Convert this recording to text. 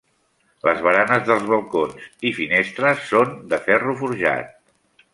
Les baranes dels balcons i finestres són de ferro forjat.